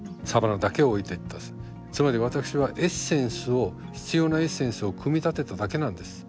つまり私はエッセンスを必要なエッセンスを組み立てただけなんです。